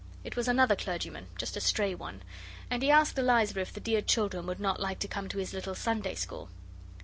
It was another clergyman, just a stray one; and he asked Eliza if the dear children would not like to come to his little Sunday school.